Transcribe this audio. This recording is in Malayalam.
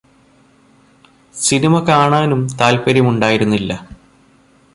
സിനിമ കാണാനും താല്പര്യമുണ്ടായിരുന്നില്ല